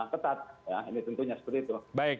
ketat ya ini tentunya seperti itu